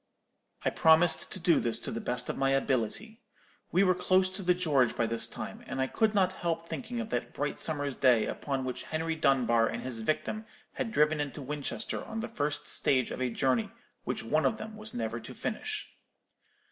"I promised to do this to the best of my ability. We were close to the George by this time, and I could not help thinking of that bright summer's day upon which Henry Dunbar and his victim had driven into Winchester on the first stage of a journey which one of them was never to finish.